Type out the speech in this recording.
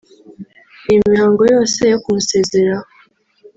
Iyi mihango yose yo kumusezeraho